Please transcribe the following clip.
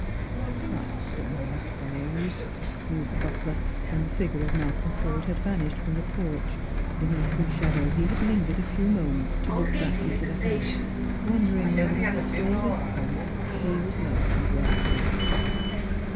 "A parson,.! suppose," mused the butlen when the figure ^ 332 Strangers and Pilgrims. Malcolm Forde had vanished from the porch, beneath whose ehadow he had lingered a few moments to look back into the house, wondering whether amidst all this pomp slie was loved and well cared for.